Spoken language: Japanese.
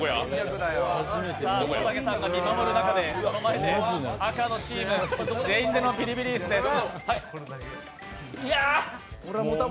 こたけさんが見守る中で赤のチーム全員がビリビリ椅子です。